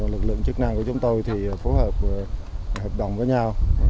lực lượng chức năng của chúng tôi thì phối hợp hợp đồng với nhau